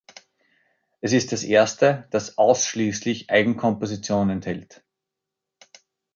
Es ist das erste, das ausschließlich Eigenkompositionen enthält.